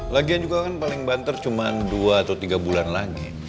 lagian juga kan paling banter cuma dua atau tiga bulan lagi